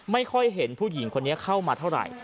ไม่ค่อยเห็นผู้หญิงคนนี้เข้ามาเท่าไหร่